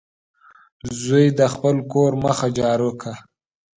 زوی د خپل کور مخه جارو کړه.